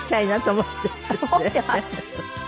思っています。